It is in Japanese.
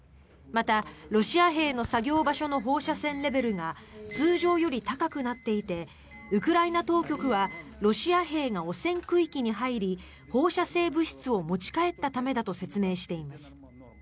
また、ロシア兵の作業場所の放射線レベルが通常より高くなっていてウクライナ当局はロシア兵が汚染区域に入り放射性物質を持ち帰ったためだと説明しています。